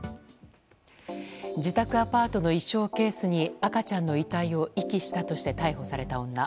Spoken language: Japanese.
自宅アパートの衣装ケースに赤ちゃんの遺体を遺棄したとして逮捕された女。